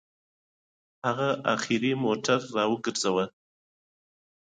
تندر ځمکې ته هدایت کوي.